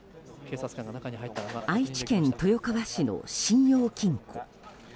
愛知県豊川市の信用金庫。